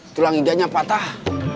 tulang iganya patah